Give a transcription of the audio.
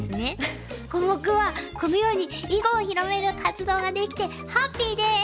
コモクはこのように囲碁を広める活動ができてハッピーです！